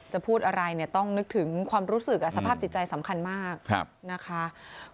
พูดอะไรเนี่ยต้องนึกถึงความรู้สึกสภาพจิตใจสำคัญมากนะคะ